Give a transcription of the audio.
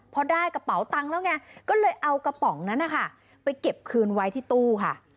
พอได้กระเป๋าตังค์แล้วไงก็เลยเอากระป๋องนั้นนะคะไปเก็บคืนไว้ที่ตู้ค่ะ